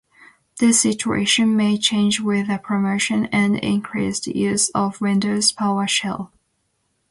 This situation may change with the promotion and increased use of Windows PowerShell.